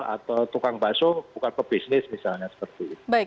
atau tukang basuh bukan pebisnis